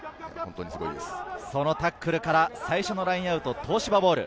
そのタックルから最初のラインアウト、東芝ボール。